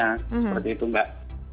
seperti itu mbak